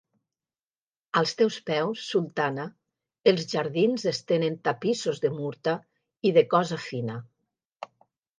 Als teus peus, sultana, els jardins estenen tapissos de murta i de cosa fina.